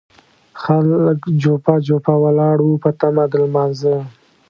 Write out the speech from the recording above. خلک جوپه جوپه ولاړ وو په تمه د لمانځه.